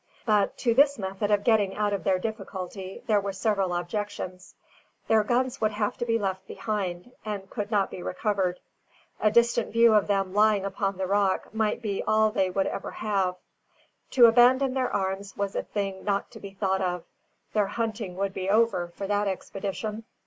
But to this method of getting out of their difficulty, there were several objections. Their guns would have to be left behind, and could not be recovered. A distant view of them lying upon the rock might be all they would ever have. To abandon their arms was a thing not to be thought of. Their hunting would be over for that expedition.